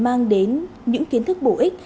mà còn là người mang đến những kiến thức bổ ích